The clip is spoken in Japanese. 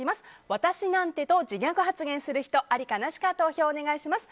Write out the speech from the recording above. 「私なんて」と自虐発言する人ありかなしか投票をお願いします。